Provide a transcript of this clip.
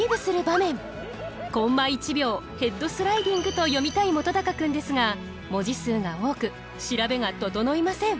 「コンマ１秒ヘッドスライディング」と詠みたい本君ですが文字数が多く調べが整いません。